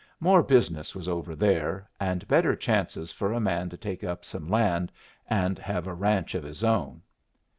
More business was over there, and better chances for a man to take up some land and have a ranch of his own.